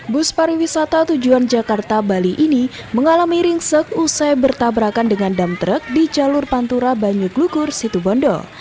bus pariwisata tujuan jakarta bali ini mengalami ringsek usai bertabrakan dengan dam truk di jalur pantura banyuglukur situbondo